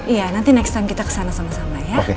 iya nanti next time kita kesana sama sama ya